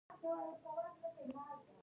آیا په ودونو کې د ښځو ټپې ځانګړی خوند نلري؟